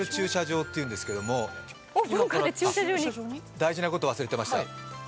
大事なこと忘れてました。